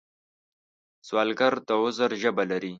سوالګر د عذر ژبه لري